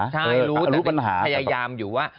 ใช่รู้แต่พยายามอยู่ว่า